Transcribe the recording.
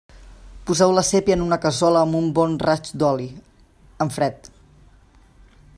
Poseu la sépia en una cassola amb un bon raig d'oli, en fred.